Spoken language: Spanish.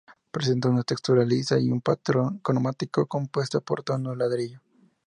Presenta una textura lisa y un patrón cromático compuesto por tonos ladrillo.